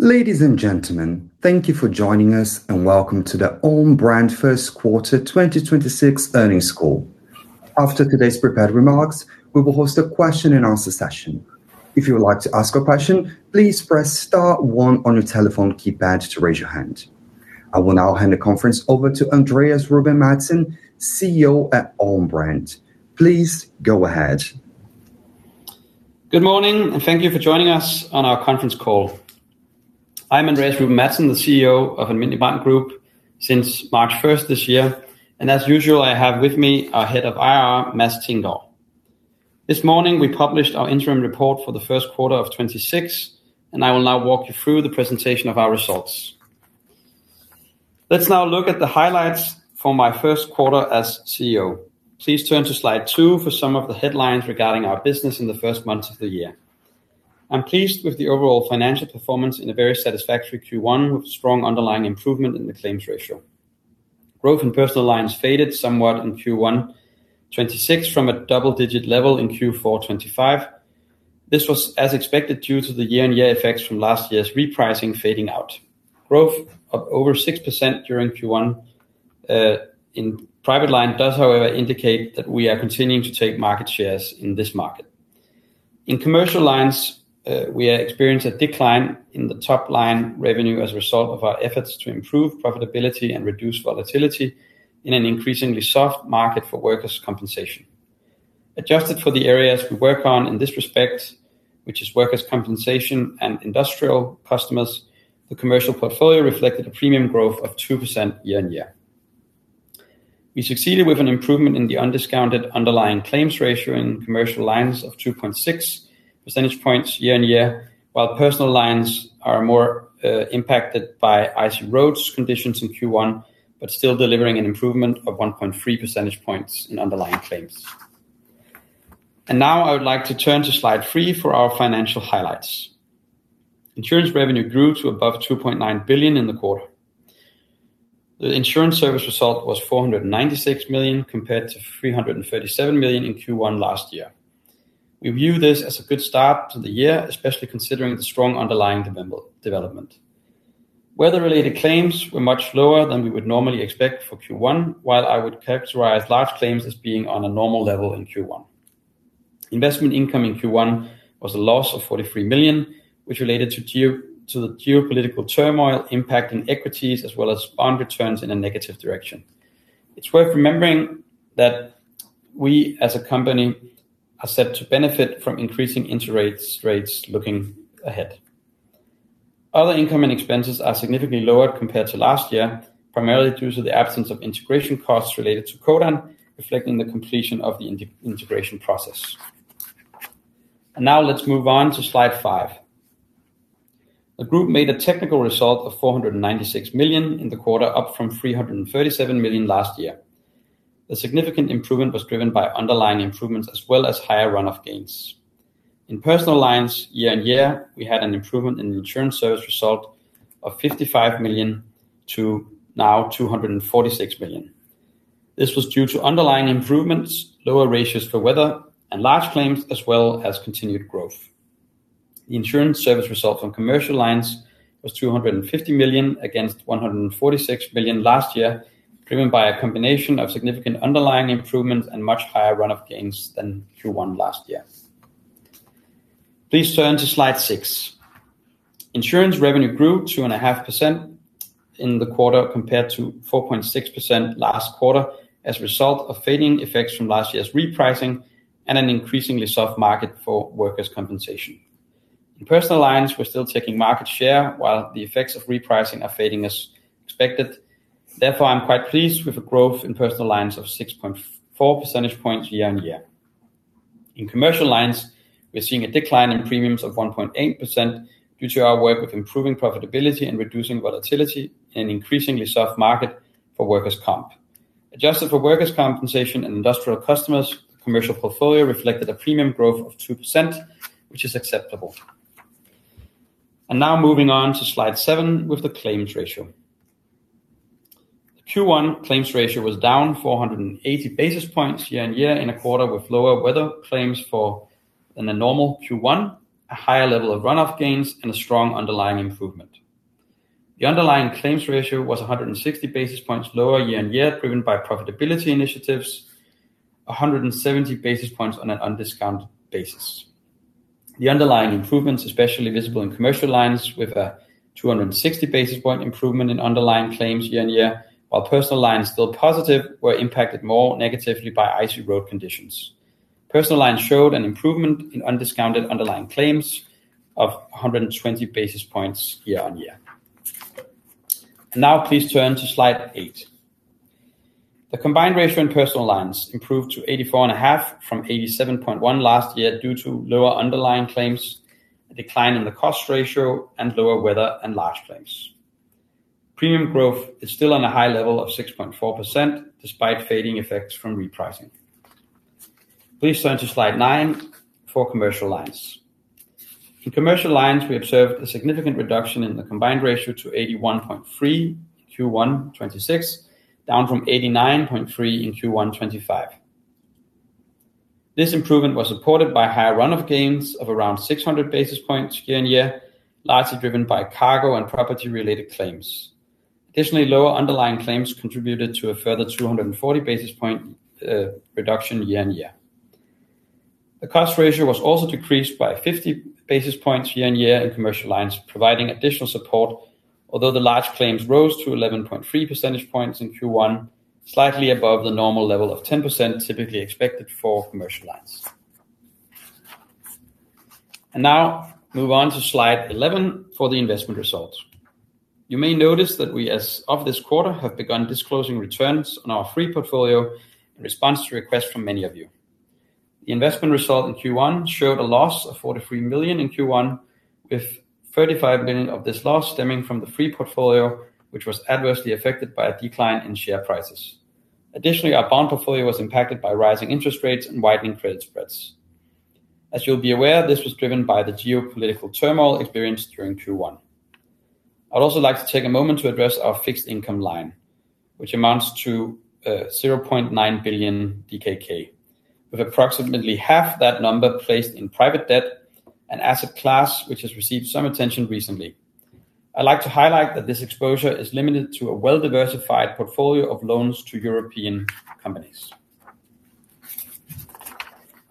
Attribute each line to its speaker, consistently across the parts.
Speaker 1: Ladies and gentlemen, thank you for joining us, and welcome to the Alm. Brand first quarter 2026 earnings call. After today's prepared remarks, we will host a question-and-answer session. If you would like to ask a question, please press star one on your telephone keypad to raise your hand. I will now hand the conference over to Andreas Ruben Madsen, CEO at Alm. Brand. Please go ahead.
Speaker 2: Good morning and thank you for joining us on our conference call. I'm Andreas Ruben Madsen, the CEO of Alm. Brand Group since March 1st this year. As usual, I have with me our head of IR, Mads Lerche Thinggaard. This morning, we published our interim report for the first quarter of 2026, and I will now walk you through the presentation of our results. Let's now look at the highlights for my first quarter as CEO. Please turn to slide two for some of the headlines regarding our business in the first months of the year. I'm pleased with the overall financial performance in a very satisfactory Q1 with strong underlying improvement in the claims ratio. Growth in personal lines faded somewhat in Q1 2026 from a double-digit level in Q4 2025. This was as expected due to the year-on-year effects from last year's repricing fading out. Growth of over 6% during Q1 in personal lines does however indicate that we are continuing to take market shares in this market. In commercial lines, we experienced a decline in the top line revenue as a result of our efforts to improve profitability and reduce volatility in an increasingly soft market for workers' compensation. Adjusted for the areas we work on in this respect, which is workers' compensation and industrial customers, the commercial portfolio reflected a premium growth of 2% year-on-year. We succeeded with an improvement in the undiscounted underlying claims ratio in commercial lines of 2.6 percentage points year-on-year, while personal lines are more impacted by icy road conditions in Q1, but still delivering an improvement of 1.3 percentage points in underlying claims. Now I would like to turn to slide three for our financial highlights. Insurance revenue grew to above 2.9 billion in the quarter. The insurance service result was 496 million compared to 337 million in Q1 last year. We view this as a good start to the year, especially considering the strong underlying development. Weather-related claims were much lower than we would normally expect for Q1, while I would characterize large claims as being on a normal level in Q1. Investment income in Q1 was a loss of 43 million, which related to the geopolitical turmoil impacting equities as well as bond returns in a negative direction. It's worth remembering that we, as a company, are set to benefit from increasing interest rates looking ahead. Other income and expenses are significantly lower compared to last year, primarily due to the absence of integration costs related to Codan, reflecting the completion of the integration process. Now let's move on to slide five. The group made a technical result of 496 million in the quarter, up from 337 million last year. The significant improvement was driven by underlying improvements as well as higher run-off gains. In personal lines year-on-year, we had an improvement in the insurance service result of 55 million to now 246 million. This was due to underlying improvements, lower ratios for weather, and large claims, as well as continued growth. The insurance service result on commercial lines was 250 million against 146 million last year, driven by a combination of significant underlying improvements and much higher run-off gains than Q1 last year. Please turn to slide six. Insurance revenue grew 2.5% in the quarter compared to 4.6% last quarter as a result of fading effects from last year's repricing and an increasingly soft market for workers' compensation. In personal lines, we're still taking market share while the effects of repricing are fading as expected. Therefore, I'm quite pleased with the growth in personal lines of 6.4 percentage points year-on-year. In commercial lines, we're seeing a decline in premiums of 1.8% due to our work with improving profitability and reducing volatility in an increasingly soft market for workers' comp. Adjusted for Workers' compensation and industrial customers, commercial portfolio reflected a premium growth of 2%, which is acceptable. Now moving on to slide seven with the claims ratio. The Q1 claims ratio was down 480 basis points year-on-year in a quarter with lower weather claims than in a normal Q1, a higher level of run-off gains, and a strong underlying improvement. The underlying claims ratio was 160 basis points lower year-on-year, driven by profitability initiatives, 170 basis points on an undiscounted basis. The underlying improvements, especially visible in Commercial Lines with a 260-basis point improvement in underlying claims year-on-year, while Personal Lines, still positive, were impacted more negatively by icy road conditions. Personal Lines showed an improvement in undiscounted underlying claims of 120 basis points year-on-year. Now please turn to slide eight. The combined ratio in personal lines improved to 84.5 from 87.1 last year due to lower underlying claims, a decline in the cost ratio, and lower weather and large claims. Premium growth is still on a high level of 6.4% despite fading effects from repricing. Please turn to slide nine for commercial lines. In commercial lines, we observed a significant reduction in the combined ratio to 81.3 in Q1 2026, down from 89.3 in Q1 2025. This improvement was supported by higher run-off gains of around 600 basis points year-on-year, largely driven by cargo and property related claims. Additionally, lower underlying claims contributed to a further 240 basis point reduction year-on-year. The cost ratio was also decreased by 50 basis points year-on-year in commercial lines, providing additional support. Although the large claims rose to 11.3 percentage points in Q1, slightly above the normal level of 10% typically expected for commercial lines. Now move on to slide 11 for the investment results. You may notice that we, as of this quarter, have begun disclosing returns on our free portfolio in response to requests from many of you. The investment result in Q1 showed a loss of 43 million in Q1, with 35 million of this loss stemming from the free portfolio, which was adversely affected by a decline in share prices. Additionally, our bond portfolio was impacted by rising interest rates and widening credit spreads. As you'll be aware, this was driven by the geopolitical turmoil experienced during Q1. I'd also like to take a moment to address our fixed income line, which amounts to 0.9 billion DKK, with approximately half that number placed in private debt and asset class, which has received some attention recently. I'd like to highlight that this exposure is limited to a well-diversified portfolio of loans to European companies.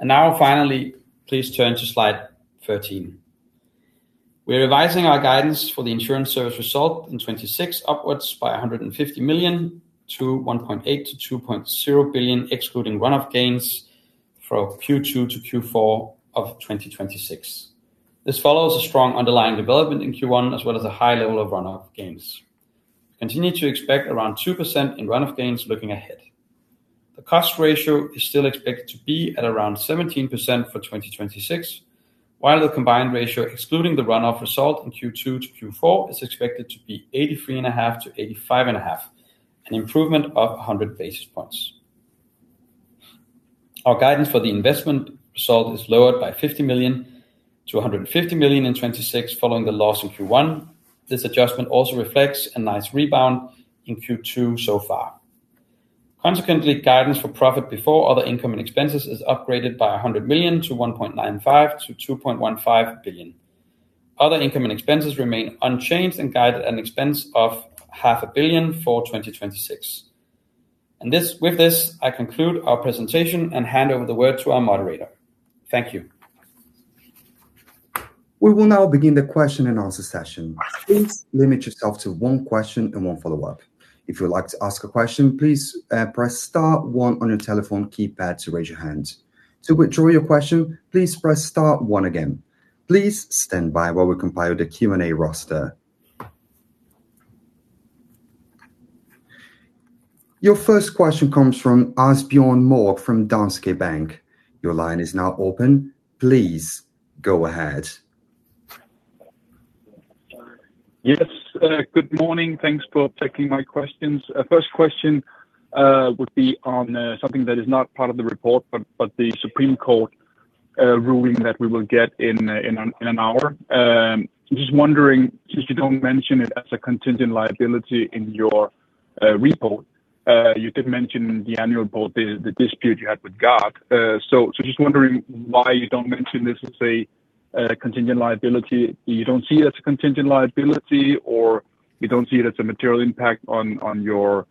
Speaker 2: Now finally, please turn to slide 13. We're revising our guidance for the insurance service result in 2026 upwards by 150 million-1.8 billion-DKK 2.0 billion, excluding run-off gains from Q2-Q4 of 2026. This follows a strong underlying development in Q1, as well as a high level of run-off gains. Continue to expect around 2% in run-off gains looking ahead. The cost ratio is still expected to be at around 17% for 2026, while the combined ratio excluding the run-off result in Q2-Q4 is expected to be 83.5%-85.5%, an improvement of 100 basis points. Our guidance for the investment result is lowered by 50 million-150 million in 2026 following the loss in Q1. This adjustment also reflects a nice rebound in Q2 so far. Consequently, guidance for profit before other income and expenses is upgraded by 100 million-1.95 billion-DKK 2.15 billion. Other income and expenses remain unchanged and guided an expense of DKK half a billion for 2026. With this, I conclude our presentation and hand over the word to our moderator. Thank you.
Speaker 1: We will now begin the question-and-answer session. Please limit yourself to one question and one follow-up. If you would like to ask a question, please, press star one on your telephone keypad to raise your hand. To withdraw your question, please press star one again. Please stand by while we compile the Q&A roster. Your first question comes from Asbjørn Mørk from Danske Bank. Your line is now open. Please go ahead.
Speaker 3: Yes, good morning. Thanks for taking my questions. First question would be on something that is not part of the report, but the Supreme Court ruling that we will get in an hour. Just wondering, since you don't mention it as a contingent liability in your report, you did mention in the annual report the dispute you had with GAK. Just wondering why, you don't mention this as a contingent liability. You don't see it as a contingent liability, or you don't see it as a material impact on your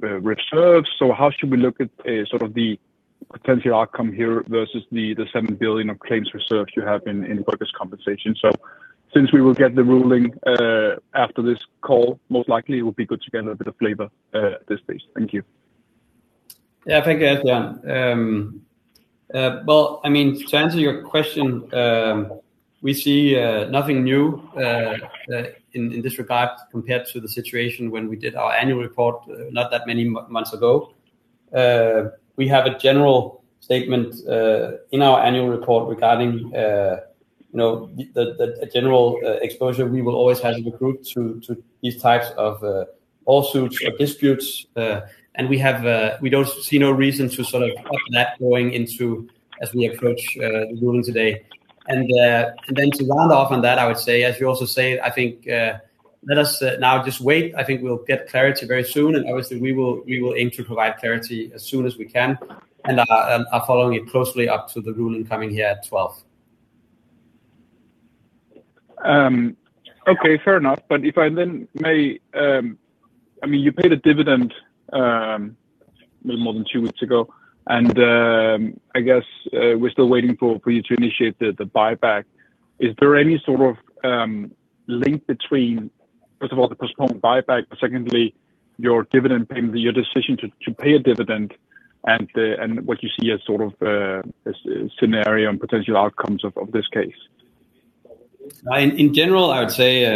Speaker 3: reserves? How should we look at sort of the potential outcome here versus the 7 billion of claims reserves you have in Workers' compensation? Since we will get the ruling after this call, most likely it would be good to get a little bit of flavor at this stage. Thank you.
Speaker 2: Yeah. Thank you, Asbjørn. Well, I mean, to answer your question, we see nothing new in this regard compared to the situation when we did our annual report not that many months ago. We have a general statement in our annual report regarding, you know, the general exposure we will always have in the group to these types of lawsuits or disputes. We don't see no reason to sort of update that going into as we approach the ruling today. Then to round off on that, I would say, as you also say, I think let us now just wait. I think we'll get clarity very soon. Obviously, we will aim to provide clarity as soon as we can. We are following it closely up to the ruling coming here at 12.
Speaker 3: Okay, fair enough. If I may, I mean you paid a dividend a little more than two weeks ago, and I guess we're still waiting for you to initiate the buyback. Is there any sort of link between, first of all, the postponed buyback, but secondly, your dividend payment, your decision to pay a dividend and what you see as sort of a scenario and potential outcomes of this case?
Speaker 2: In general, I would say,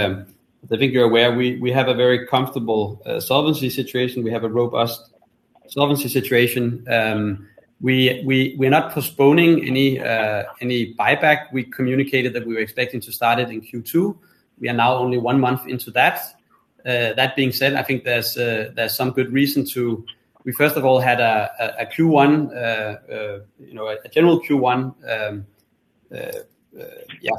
Speaker 2: I think you're aware we have a very comfortable solvency situation. We have a robust solvency situation. We're not postponing any buyback. We communicated that we were expecting to start it in Q2. We are now only one month into that. That being said, I think there's some good reason. We first of all had a Q1, you know, a general Q1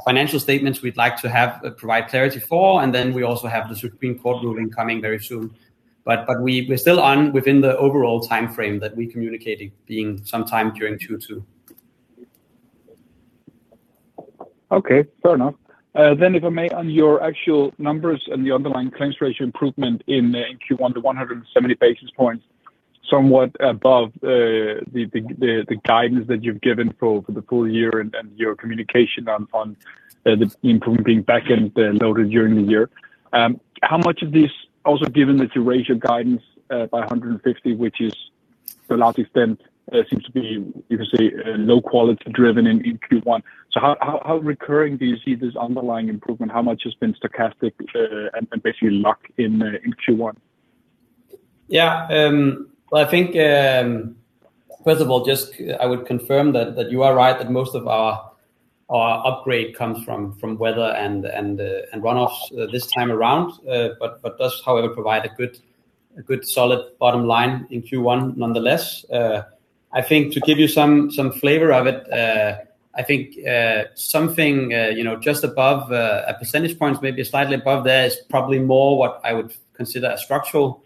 Speaker 2: financial statements we'd like to provide clarity for, and then we also have the Danish Supreme Court ruling coming very soon. We're still on within the overall timeframe that we communicated being sometime during 2022.
Speaker 3: Okay, fair enough. If I may, on your actual numbers and the underlying claims ratio improvement in Q1 to 170 basis points, somewhat above the guidance that you've given for the full year and your communication on the improvement being back-end loaded during the year. How much of this, also given that you raised your guidance by 150, which is to a large extent seems to be, you could say, low quality driven in Q1. How recurring do you see this underlying improvement? How much has been stochastic and basically luck in Q1?
Speaker 2: Yeah. Well, I think first of all just I would confirm that you are right that most of our upgrade comes from weather and runoffs this time around. Does however provide a good solid bottom line in Q1 nonetheless. I think to give you some flavor of it, I think something you know just above a percentage point, maybe slightly above, there is probably more what I would consider a structural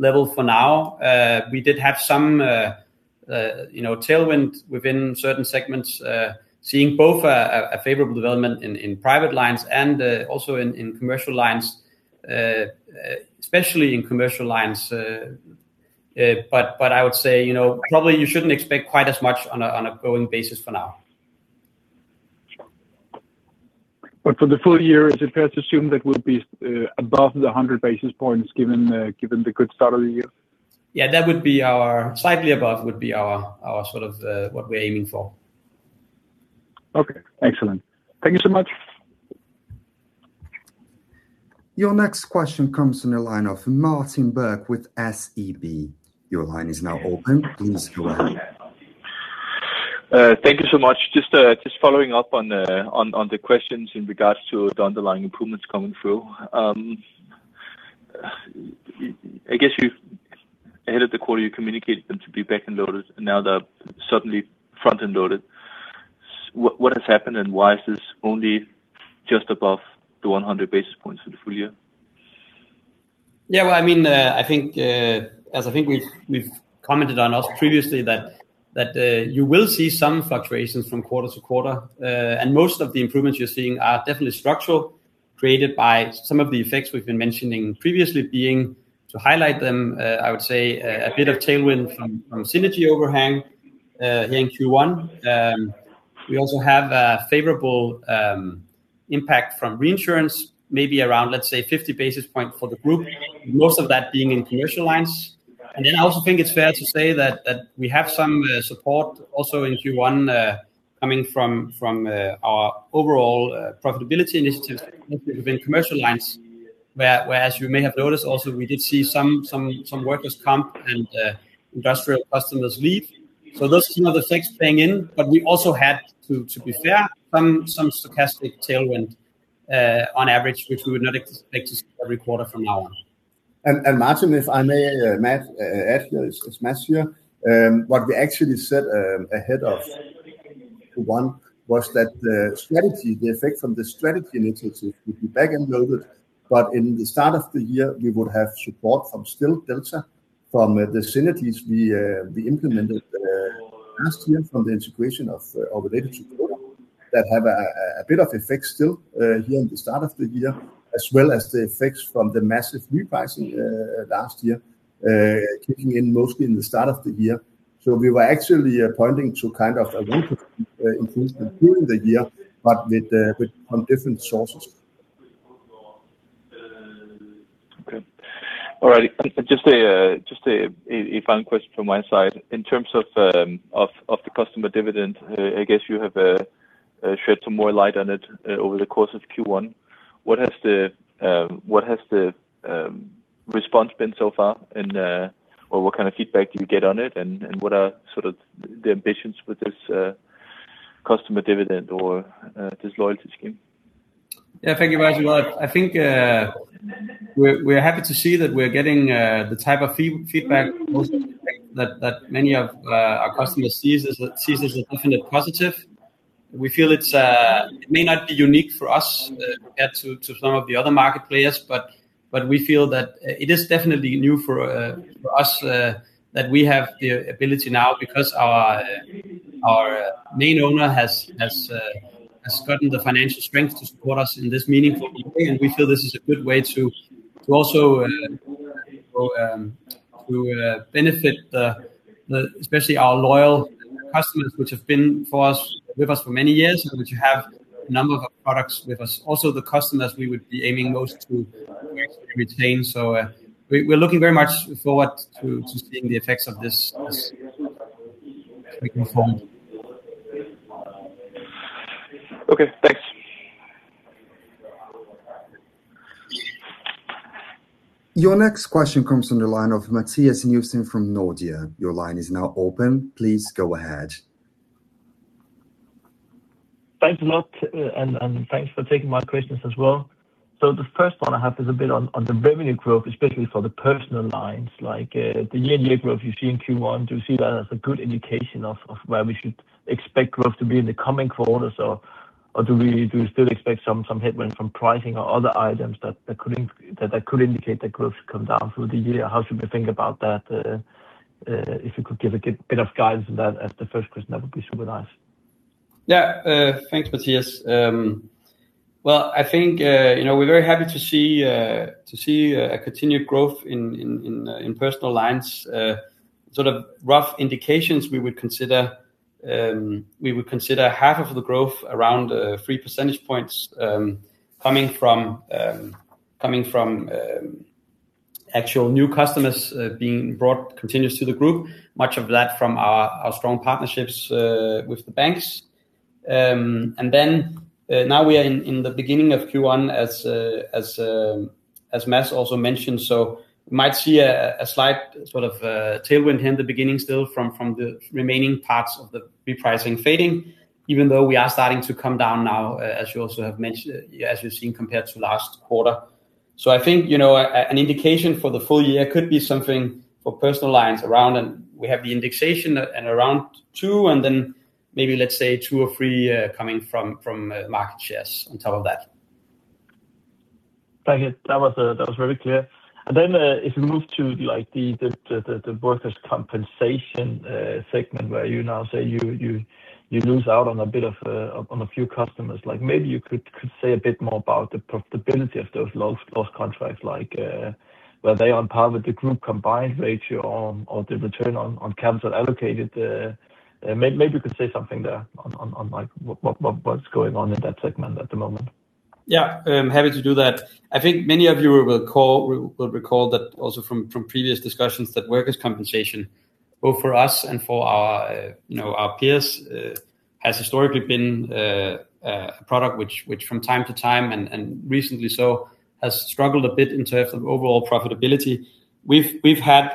Speaker 2: level for now. We did have some you know tailwind within certain segments, seeing both a favorable development in private lines and also in commercial lines, especially in commercial lines. I would say, you know, probably you shouldn't expect quite as much on a going basis for now.
Speaker 3: For the full year, is it fair to assume that we'll be above the 100 basis points given the good start of the year?
Speaker 2: Yeah, slightly above would be our sort of what we're aiming for.
Speaker 3: Okay, excellent. Thank you so much.
Speaker 1: Your next question comes from the line of Martin Birk with SEB. Your line is now open. Please go ahead.
Speaker 4: Thank you so much. Just following up on the questions in regards to the underlying improvements coming through. I guess ahead of the quarter you communicated them to be back-end loaded, and now they're suddenly front-end loaded. What has happened, and why is this only just above the 100 basis points for the full year?
Speaker 2: Yeah, well, I mean, I think, as I think we've commented on also previously that you will see some fluctuations from quarter-to-quarter. Most of the improvements you're seeing are definitely structural, created by some of the effects we've been mentioning previously being to highlight them. I would say a bit of tailwind from synergy overhang here in Q1. We also have a favorable impact from reinsurance, maybe around, let's say 50 basis points for the group, most of that being in commercial lines. I also think it's fair to say that we have some support also in Q1 coming from our overall profitability initiatives within commercial lines, whereas you may have noticed also we did see some workers comp and industrial customers leave. Those are some of the things playing in. We also had to be fair, some stochastic tailwind, on average, which we would not expect to see every quarter from now on.
Speaker 5: Martin, if I may, ask here. It's Mads here. What we actually said ahead of Q1 was that the strategy, the effect from the strategy initiative would be back-end loaded. In the start of the year, we would have support from still delta from the synergies we implemented last year from the integration of our Codan support that have a bit of effect still here in the start of the year, as well as the effects from the massive repricing last year kicking in mostly in the start of the year. We were actually pointing to kind of a long-term improvement during the year, but with from different sources.
Speaker 4: Okay. All right. Just a final question from my side. In terms of the customer dividend, I guess you have shed some more light on it over the course of Q1. What has the response been so far and or what kind of feedback do you get on it and what are sort of the ambitions with this customer dividend or this loyalty scheme?
Speaker 2: Yeah, thank you, Martin. Well, I think we're happy to see that we're getting the type of feedback that many of our customers see as a definite positive. We feel it may not be unique for us compared to some of the other market players, but we feel that it is definitely new for us that we have the ability now because our main owner has gotten the financial strength to support us in this meaningful way. We feel this is a good way to also benefit especially our loyal customers which have been with us for many years, which have a number of products with us. Also, the customers we would be aiming most to actually retain. We're looking very much forward to seeing the effects of this taking form.
Speaker 4: Okay, thanks.
Speaker 1: Your next question comes from the line of Mathias Nielsen from Nordea. Your line is now open. Please go ahead.
Speaker 6: Thanks a lot, and thanks for taking my questions as well. The first one I have is a bit on the revenue growth, especially for the Personal Lines. Like, the year-on-year growth you see in Q1, do you see that as a good indication of where we should expect growth to be in the coming quarters or do we still expect some headwind from pricing or other items that could indicate that growth should come down through the year? How should we think about that? If you could give a bit of guidance on that as the first question, that would be super nice.
Speaker 2: Yeah. Thanks, Mathias. Well, I think, you know, we're very happy to see a continued growth in personal lines. Sort of rough indications we would consider half of the growth around 3 percentage points coming from actual new customers being brought continuously to the group, much of that from our strong partnerships with the banks. Now we are in the beginning of Q1 as Mads also mentioned, so might see a slight sort of tailwind here in the beginning still from the remaining parts of the repricing fading, even though we are starting to come down now, as you also have mentioned, as we've seen compared to last quarter. I think, you know, an indication for the full year could be something for personal lines around, and we have the indexation at around 2%, and then maybe let's say 2% or 3% coming from market shares on top of that.
Speaker 6: Thank you. That was very clear. If we move to, like, the Workers' compensation segment, where you now say you lose out on a bit of, on a few customers. Like, maybe you could say a bit more about the profitability of those lost contracts. Like, were they on par with the group combined ratio or the return on capital allocated? Maybe you could say something there on, like, what's going on in that segment at the moment.
Speaker 2: Yeah. I'm happy to do that. I think many of you will recall that also from previous discussions that Workers' compensation, both for us and for our, you know, our peers, has historically been a product which from time to time and recently so has struggled a bit in terms of overall profitability. We've had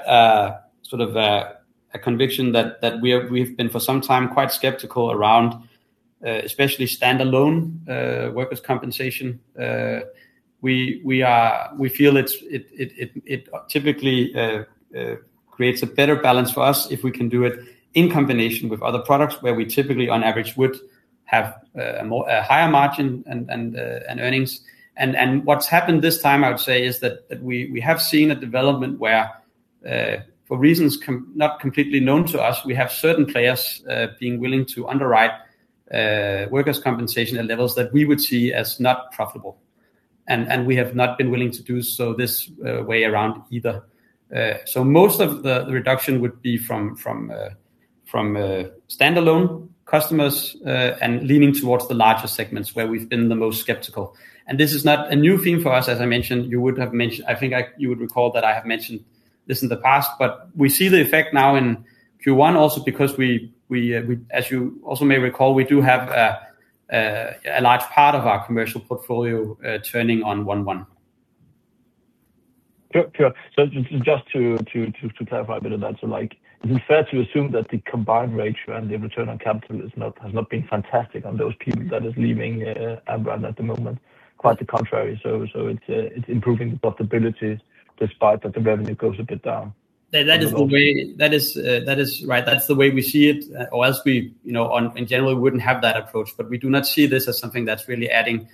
Speaker 2: sort of a conviction that we've been for some time quite skeptical around especially standalone Workers' compensation. We feel it typically creates a better balance for us if we can do it in combination with other products where we typically on average would have a higher margin and earnings. What's happened this time, I would say, is that we have seen a development where, for reasons not completely known to us, we have certain players being willing to underwrite Workers' compensation at levels that we would see as not profitable. We have not been willing to do so this way around either. Most of the reduction would be from standalone customers and leaning towards the larger segments where we've been the most skeptical. This is not a new thing for us, as I mentioned. You would recall that I have mentioned this in the past, but we see the effect now in Q1 also because we, as you also may recall, we do have a large part of our commercial portfolio turning on one-one.
Speaker 6: Sure. Just to clarify a bit of that. Like, is it fair to assume that the combined ratio and the return on capital is not, has not been fantastic on those people that is leaving Alm. Brand at the moment? Quite the contrary. It's improving the profitability despite that the revenue goes a bit down.
Speaker 2: That is the way. That is right. That's the way we see it. Else we, you know, in general, wouldn't have that approach. We do not see this as something that's really adding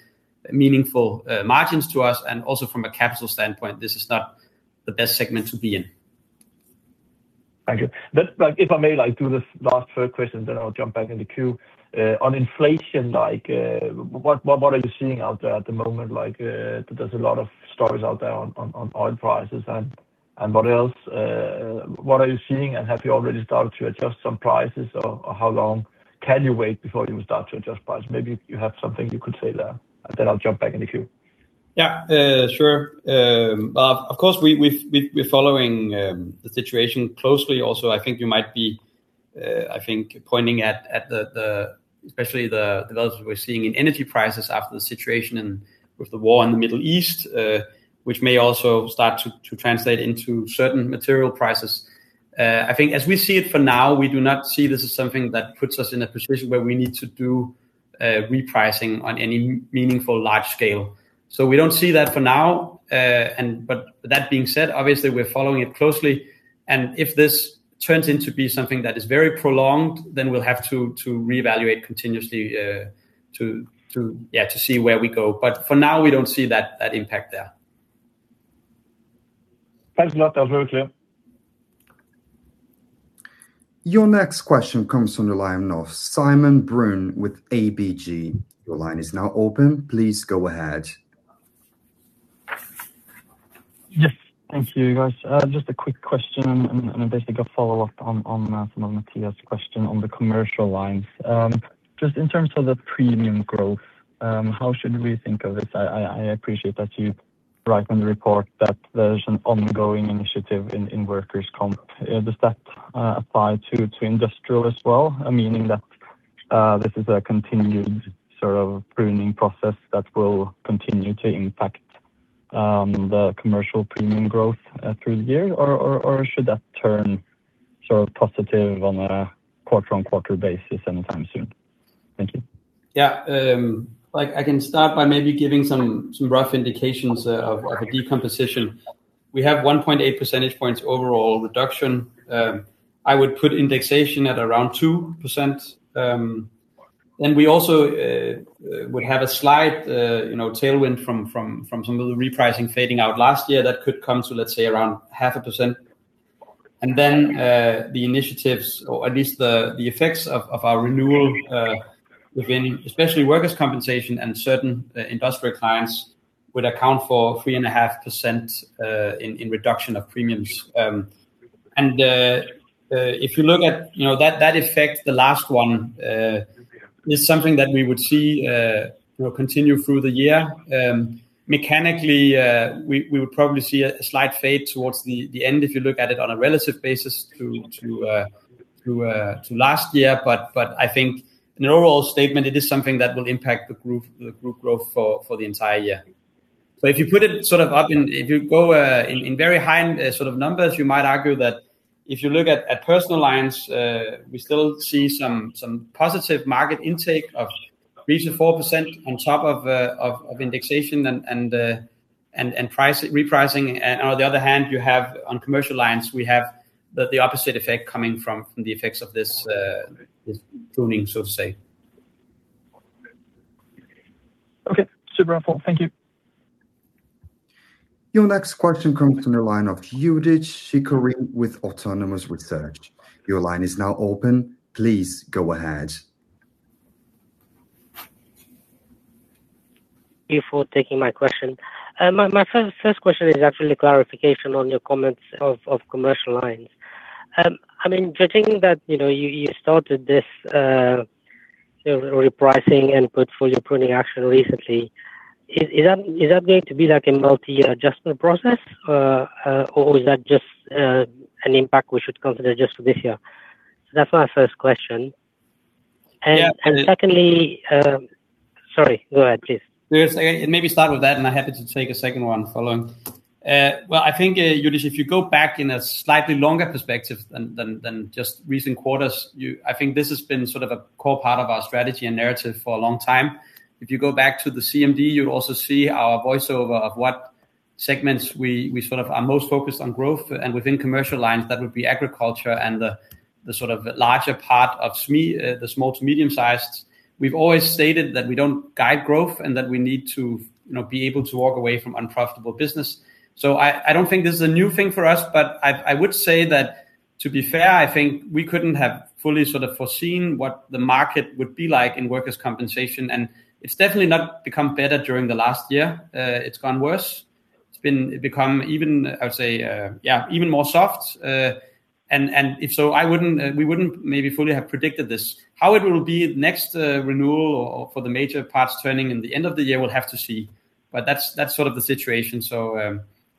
Speaker 2: meaningful margins to us. Also from a capital standpoint, this is not the best segment to be in.
Speaker 6: Thank you. Like, if I may, like, do this last third question, then I'll jump back in the queue. On inflation, like, what are you seeing out there at the moment? Like, there's a lot of stories out there on oil prices and what else, what are you seeing? And have you already started to adjust some prices? Or how long can you wait before you start to adjust prices? Maybe you have something you could say there, and then I'll jump back in the queue.
Speaker 2: Yeah. Sure. Of course, we're following the situation closely. Also, I think you might be pointing at the levels we're seeing in energy prices after the situation and with the war in the Middle East, which may also start to translate into certain material prices. I think as we see it for now, we do not see this as something that puts us in a position where we need to do repricing on any meaningful large scale. So, we don't see that for now. But that being said, obviously we're following it closely, and if this turns into something that is very prolonged, then we'll have to reevaluate continuously to see where we go. For now, we don't see that impact there.
Speaker 6: Thanks a lot. That was very clear.
Speaker 1: Your next question comes from the line of Simon Brun with ABG. Your line is now open. Please go ahead.
Speaker 7: Yes. Thank you, guys. Just a quick question and basically a follow-up on some of Mathias question on the commercial lines. Just in terms of the premium growth, how should we think of this? I appreciate that you write in the report that there's an ongoing initiative in workers' comp. Does that apply to industrial as well, meaning that this is a continued sort of pruning process that will continue to impact the commercial premium growth through the year or should that turn sort of positive on a quarter-on-quarter basis anytime soon? Thank you.
Speaker 2: Yeah. Like I can start by maybe giving some rough indications of a decomposition. We have 1.8 percentage points overall reduction. I would put indexation at around 2%. We also would have a slight, you know, tailwind from some of the repricing fading out last year that could come to, let's say, around half a percent. The initiatives or at least the effects of our renewal within especially Workers' compensation and certain industrial clients would account for 3.5% in reduction of premiums. If you look at you know that effect, the last one is something that we would see you know continue through the year. Mechanically, we would probably see a slight fade towards the end if you look at it on a relative basis to last year. I think in an overall statement, it is something that will impact the group growth for the entire year. If you put it sort of up and if you go in very high sort of numbers, you might argue that if you look at personal lines, we still see some positive market intake of 3%-4% on top of indexation and repricing. On the other hand, you have on commercial lines, we have the opposite effect coming from the effects of this pruning, so to say.
Speaker 7: Okay. Super helpful. Thank you.
Speaker 1: Your next question comes from the line of Youdish Chicooree with Autonomous Research. Your line is now open. Please go ahead.
Speaker 8: Thank you for taking my question. My first question is actually clarification on your comments of commercial lines. I mean, judging that, you know, you started this sort of repricing and portfolio pruning action recently. Is that going to be like a multi-year adjustment process, or is that just an impact we should consider just for this year? That's my first question.
Speaker 2: Yeah.
Speaker 8: Secondly. Sorry, go ahead, please.
Speaker 2: Yes. Maybe start with that, and I'm happy to take a second one following. Well, I think, Youdish, if you go back in a slightly longer perspective than just recent quarters, I think this has been sort of a core part of our strategy and narrative for a long time. If you go back to the CMD, you'll also see our overview of what segments we are most focused on growth. Within commercial lines, that would be agriculture and the sort of larger part of SME, the small to medium sized. We've always stated that we don't guide growth and that we need to, you know, be able to walk away from unprofitable business. I don't think this is a new thing for us, but I would say that to be fair, I think we couldn't have fully sort of foreseen what the market would be like in workers' compensation, and it's definitely not become better during the last year. It's gotten worse. It's become even more soft, and if so, we wouldn't maybe fully have predicted this. How it will be next renewal or for the major parts turning in the end of the year, we'll have to see. That's sort of the situation.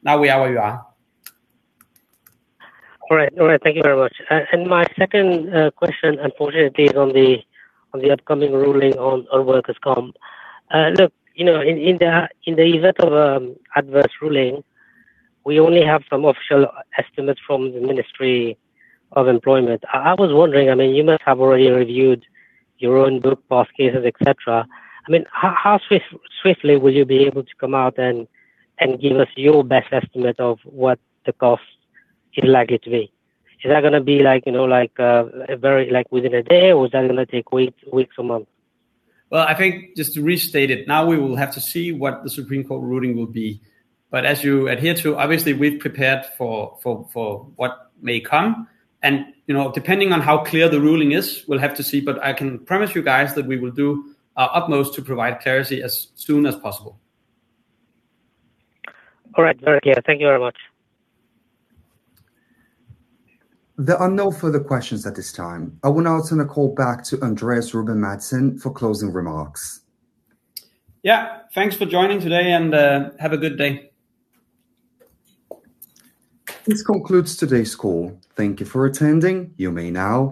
Speaker 2: Now we are where we are.
Speaker 8: All right, thank you very much. My second question unfortunately is on the upcoming ruling on workers' comp. Look, you know, in the event of adverse ruling, we only have some official estimates from the Danish Ministry of Employment. I was wondering, I mean, you must have already reviewed your own book, past cases, et cetera. I mean, how swiftly will you be able to come out and give us your best estimate of what the cost is likely to be? Is that gonna be like, you know, like, very like within a day, or is that gonna take weeks or months?
Speaker 2: Well, I think just to restate it, now we will have to see what the Supreme Court ruling will be. As you adhere to, obviously, we've prepared for what may come. You know, depending on how clear the ruling is, we'll have to see. I can promise you guys that we will do our utmost to provide clarity as soon as possible.
Speaker 8: All right. Very clear. Thank you very much.
Speaker 1: There are no further questions at this time. I will now turn the call back to Andreas Ruben Madsen for closing remarks.
Speaker 2: Yeah. Thanks for joining today and have a good day.
Speaker 1: This concludes today's call. Thank you for attending. You may now disconnect.